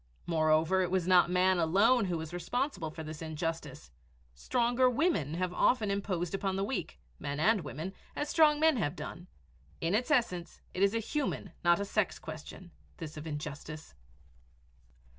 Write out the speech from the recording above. Moreover, it was not man alone who was responsible for this injustice. Stronger women have often imposed upon the weak men and women as strong men have done. In its essence, it is a human, not a sex, question this of injustice.